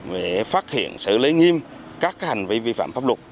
về phát hiện xử lý nghiêm các hành vi vi phạm pháp luật